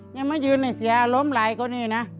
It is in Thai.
ยังไม่ยืนสีอารมณ์หลายกว่านี้นะ